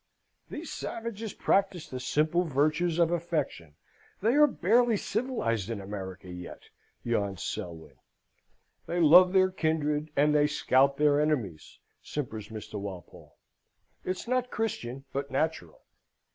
"These savages practise the simple virtues of affection they are barely civilised in America yet," yawns Selwyn. "They love their kindred, and they scalp their enemies," simpers Mr. Walpole. "It's not Christian, but natural.